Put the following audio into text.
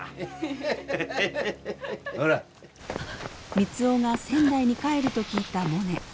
三生が仙台に帰ると聞いたモネ。